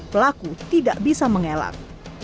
pelaku tidak bisa mengelak